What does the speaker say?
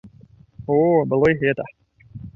О, было і гэта!